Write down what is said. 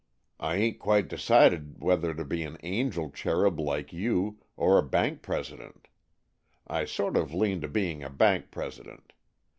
I ain't quite decided whether to be an angel cherub, like you or a bank president. I sort of lean to being a bank president.